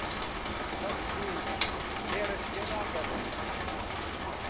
پەکوو لێرەشم لێ ناگەڕێن؟